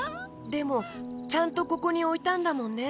でもちゃんとここにおいたんだもんね。